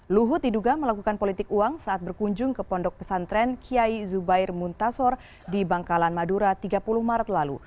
luhut diduga melakukan politik uang saat berkunjung ke pondok pesantren kiai zubair muntasor di bangkalan madura tiga puluh maret lalu